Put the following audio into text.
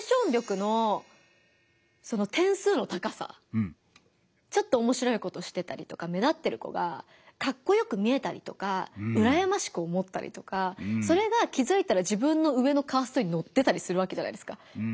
あの学生時代のちょっと面白いことしてたり目立ってる子がカッコよく見えたりとかうらやましく思ったりとかそれが気づいたら自分の上のカーストにのってたりするわけじゃないですか。